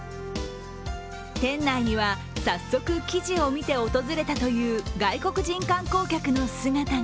店内には、早速記事を見て訪れたという外国人観光客の姿が。